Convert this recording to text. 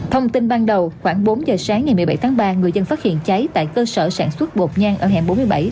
thông tin ban đầu khoảng bốn giờ sáng ngày một mươi bảy tháng ba người dân phát hiện cháy tại cơ sở sản xuất bột nhan ở hẻm bốn mươi bảy